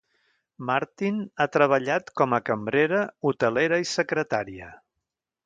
Martin ha treballat com a cambrera, hotelera i secretària.